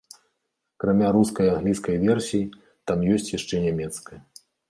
Акрамя рускай і англійскай версій, там ёсць яшчэ нямецкая.